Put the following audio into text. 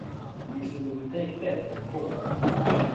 He supported Take That on tour.